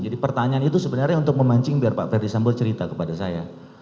jadi pertanyaan itu sebenarnya untuk memancing biar pak ferdi sambo cerita kepada saya